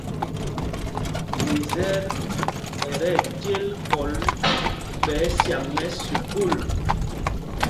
Lisɛt ɛ tí ɛcěl kɔl ɓɛ ɛsyaŋ ɛ́ sukûl.